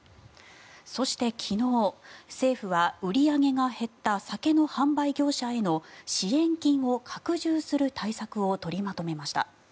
そして、昨日政府は売り上げが減った酒の販売業者への支援金を拡充する対策を取りまとめました。